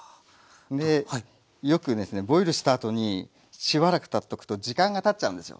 でよくですねボイルしたあとにしばらくたっとくと時間がたっちゃうですよ。